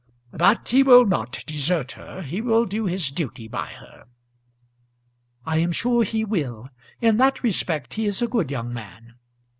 But he will not desert her; he will do his duty by her." "I am sure he will. In that respect he is a good young man."